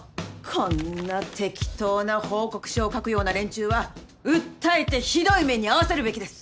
こんな適当な報告書を書くような連中は訴えてひどい目に遭わせるべきです。